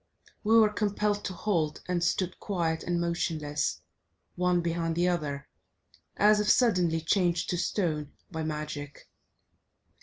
We were compelled to halt, and stood quiet and motionless, one behind the other, as if suddenly changed to stone by magic.